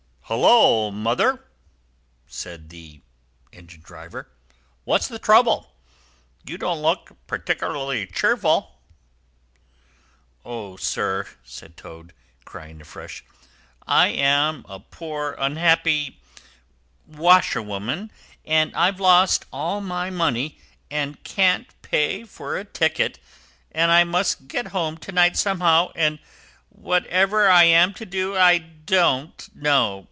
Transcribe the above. "Hullo, mother!" said the engine driver, "what's the trouble? You don't look particularly cheerful." "O, sir!" said Toad, crying afresh, "I am a poor unhappy washerwoman, and I've lost all my money, and can't pay for a ticket, and I must get home to night somehow, and whatever I am to do I don't know.